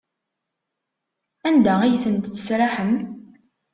Anda ay tent-tesraḥem?